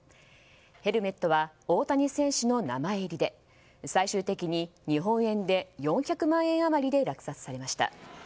ヘルメットは大谷選手の名前入りで最終的に日本円で４００万円余りで落札されました。